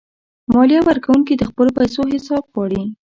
مالیه ورکونکي د خپلو پیسو حساب غواړي.